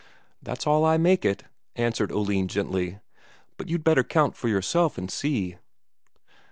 "That's all I make it," answered Oline gently. "But you'd better count for yourself and see."